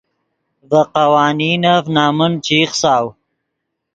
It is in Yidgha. ڤے قوانینف نمن چے ایخساؤ